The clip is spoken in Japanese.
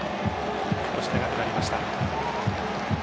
少し長くなりました。